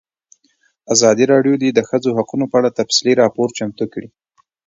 ازادي راډیو د د ښځو حقونه په اړه تفصیلي راپور چمتو کړی.